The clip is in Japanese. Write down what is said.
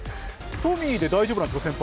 トミーで大丈夫なんですか？